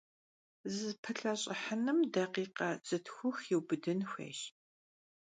ЗызыпылъэщӀыхьыным дакъикъэ зыплӏытху иубыдын хуейщ.